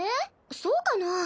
そうかな？